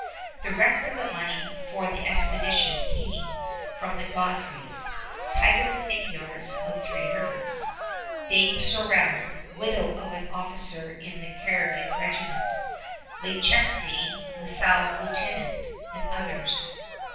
The rest of the money for the expedition came from the Godfreys, titled seigneurs of Three Rivers; Dame Sorel, widow of an officer in the Carignan Regiment; Le Chesnaye, La Salle's lieutenant, and others.